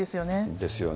ですよね。